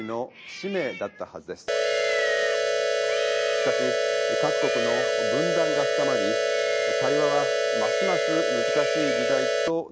しかし各国の分断が深まり対話はますます難しい時代となっています。